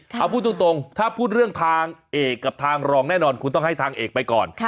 เอาพูดตรงถ้าพูดเรื่องทางเอกกับทางรองแน่นอนคุณต้องให้ทางเอกไปก่อน